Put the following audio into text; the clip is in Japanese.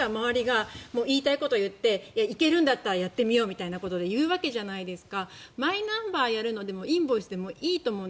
そうしないから周りが言いたいことを言って行けるんだったらやってみようっていうわけじゃないですか。